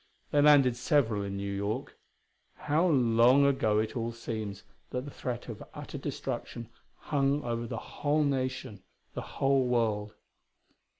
They landed several in New York; how long ago it all seems that the threat of utter destruction hung over the whole nation the whole world.